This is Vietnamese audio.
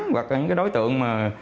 hoặc những cái đối tượng